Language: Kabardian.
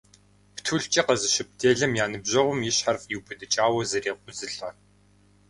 Птулъкӏэ къэзыщып делэм я ныбжьэгъум и щхьэр фӏиубыдыкӏауэ зрекъузылӏэ.